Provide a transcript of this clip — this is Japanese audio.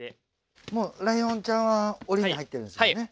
もうライオンちゃんは檻に入ってるんですよね？